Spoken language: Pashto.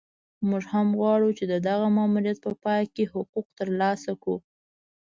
موږ هم غواړو چې د دغه ماموریت په پای کې حقوق ترلاسه کړو.